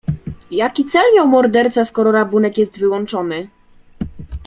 "Jaki cel miał morderca, skoro rabunek jest wyłączony?"